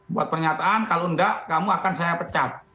buat pernyataan kalau enggak kamu akan saya pecat